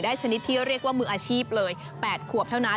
ชนิดที่เรียกว่ามืออาชีพเลย๘ขวบเท่านั้น